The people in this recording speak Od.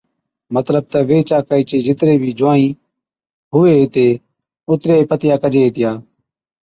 مطلب تہ ويھِچ آڪھِي چي جِتري بِي جُونوائِي (نِياڻي سِياڻي) ھُوَي ھِتي اُترِيا پتِيا ڪجي ھِتيا